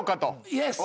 イエス。